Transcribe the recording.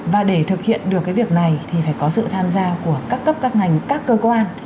và để thực hiện được cái việc này thì phải có sự tham gia của các cấp các ngành các cơ quan